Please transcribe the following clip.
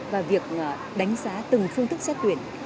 và việc đánh giá từng phương thức xét tuyển